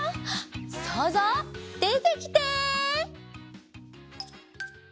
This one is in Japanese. そうぞうでてきて！